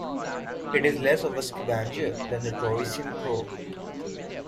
It is less of a scavenger than the Torresian crow.